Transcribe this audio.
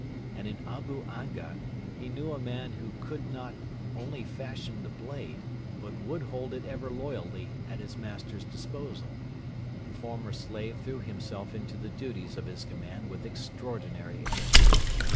And in Abu Anga he knew a man who could not only fashion the blade, but would hold it ever loyally at his master's disposal. The former slave threw himself into the duties of his command with extraordinary energy.